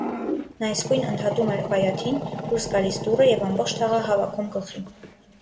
նա իսկույն ընդհատում էր բայաթին, դուրս գալիս դուռը և ամբողջ թաղը հավաքում գլխին: